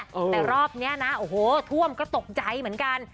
แต่รอบนี้นะโอ้โหท่วมก็ตกใจเหมือนกัน